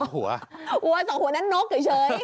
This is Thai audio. หัว๒หัวนั้นนกเฉย